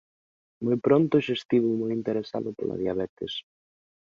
Moi pronto xa estivo moi interesado pola diabetes.